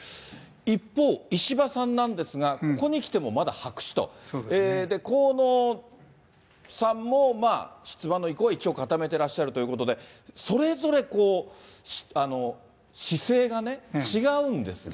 一方、石破さんなんですが、ここにきてもまだ白紙と、河野さんも出馬の意向は一応固めてらっしゃるということで、それぞれこう、姿勢がね、違うんですが。